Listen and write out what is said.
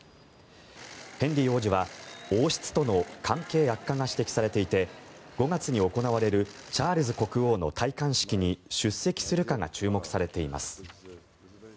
ヘンリー王子は王室との関係悪化が指摘されていて５月に行われるチャールズ国王の戴冠式に出席するかが注目されています。